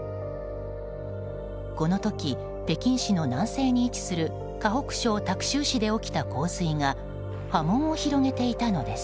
この時、北京市の南西に位置する河北省タクシュウ市で起きた洪水が、波紋を広げていたのです。